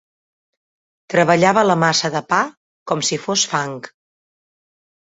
Treballava la massa de pa com si fos fang.